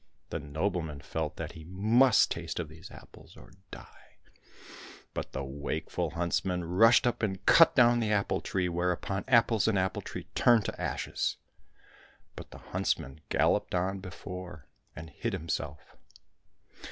The nobleman felt that he must taste of these apples or die ; but the wakeful huntsman rushed up and cut down the apple tree, whereupon apples and apple tree turned to ashes. But the huntsman galloped on before and hid himself.